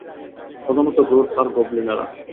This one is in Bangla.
প্রধানত রুট আর গবলিনেরা।